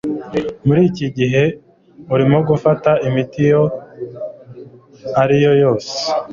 Muri iki gihe urimo gufata imiti iyo ari yo yose?